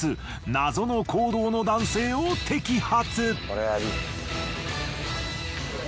謎の行動の男性を摘発。